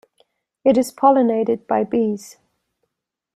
It is pollinated by bees.